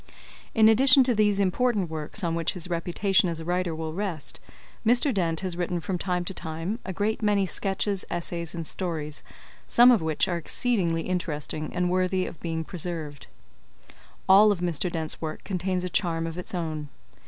In addition to these important works on which his reputation as a writer will rest, Mr. Dent has written from time to time a great many sketches, essays and stories, some of which are exceedingly interesting and worthy of being preserved. All of Mr. Dent's work contains a charm of its own.